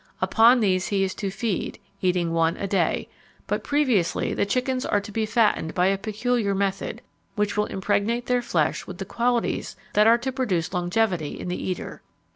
Upon these he is to feed, eating one a day; but previously the chickens are to be fattened by a peculiar method, which will impregnate their flesh with the qualities that are to produce longevity in the eater.